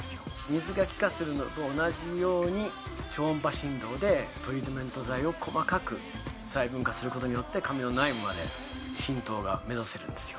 水が気化するのと同じように超音波振動でトリートメント剤を細かく細分化することによって髪の内部まで浸透が目指せるんですよ